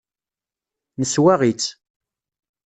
Neswaɣ-itt.